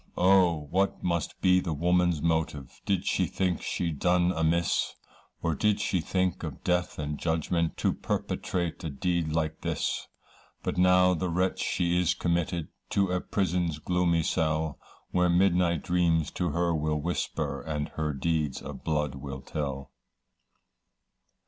Oh! what must be the woman's motive, Did she think she'd done amiss, Or did she think of death and judgment To perpetrate a deed like this? But now the wretch she is committed, To a prison's gloomy cell, Where midnight dreams to her will whisper And her deeds of blood will tell.